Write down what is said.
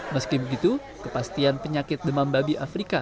meski begitu kepastian penyakit demam babi afrika